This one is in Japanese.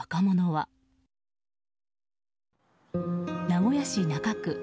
名古屋市中区。